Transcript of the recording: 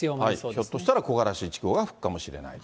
ひょっとしたら木枯らし１号が吹くかもしれないと。